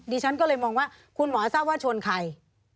ดิฉันก็เลยมองว่าคุณหมอทราบว่าชนใคร